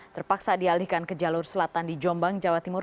terpaksa dialihkan ke jalur selatan di jombang jawa timur